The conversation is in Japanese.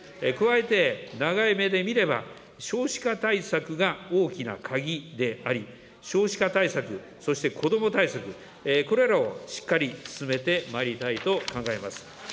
加えて、長い目で見れば、少子化対策が大きな鍵であり、少子化対策、そして子ども対策、これらをしっかり進めてまいりたいと考えます。